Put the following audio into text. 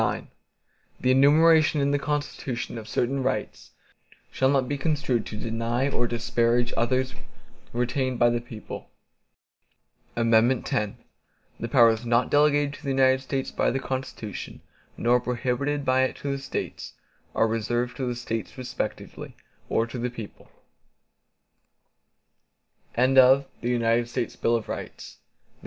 IX The enumeration in the Constitution, of certain rights, shall not be construed to deny or disparage others retained by the people. X The powers not delegated to the United States by the Constitution, nor prohibited by it to the States, are reserved to the States respectively, or to the people.